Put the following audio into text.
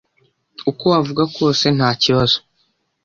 Uko wavuga kose ntakibazo